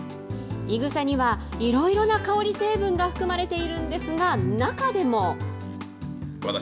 いぐさにはいろいろな香り成分が含まれているんですが、中でも。